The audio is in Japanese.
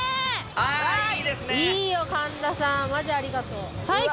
いいよ神田さんマジありがとう。